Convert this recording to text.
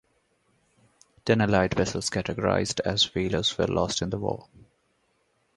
Ten Allied vessels categorized as whalers were lost in the war.